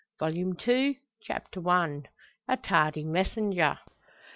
Volume Two, Chapter I. A TARDY MESSENGER.